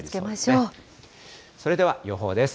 それでは予報です。